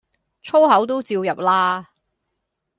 粗口都照入啦